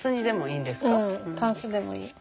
うんタンスでもいい。